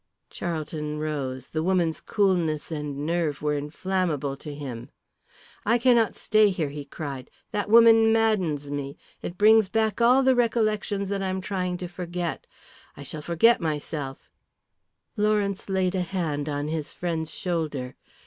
Charlton rose; the woman's coolness and nerve were inflammable to him. "I cannot stay here," he cried. "That woman maddens me. It brings back all the recollections that I am trying to forget. I shall forget myself " Lawrence laid a hand on his friend's shoulder.